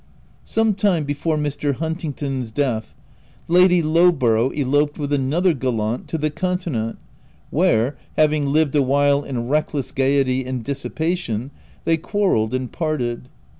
Sometime before Mr. Huntingdon's death, Lady Lowborough eloped with another gallant, to the continent, where, having lived awhile in reckless gaiety and dissipation, they quarrelled and parted.